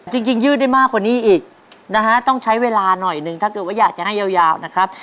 จริงยืดได้มากกว่านี้อีกนะฮะต้องใช้เวลาหน่อยหนึ่งถ้าเกิดว่าอยากจะให้ยาวนะครับ